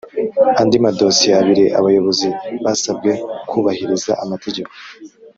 andi madosiye abiri abayobozi basabwe kubahiriza amategeko ;